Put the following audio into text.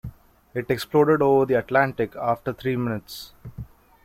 It exploded over the Atlantic after three minutes.